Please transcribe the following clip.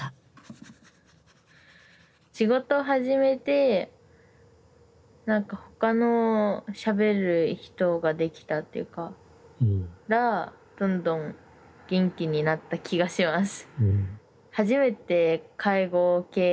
仕事始めて何か他のしゃべる人が出来たらどんどん元気になった気がします。